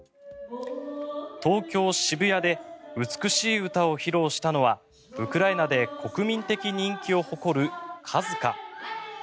東京・渋谷で美しい歌を披露したのはウクライナで国民的人気を誇るＫＡＺＫＡ。